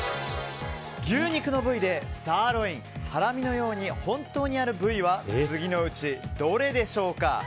牛肉の部位でサーロイン、ハラミのように本当にある部位は次のうちどれでしょうか？